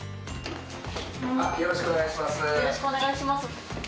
よろしくお願いします。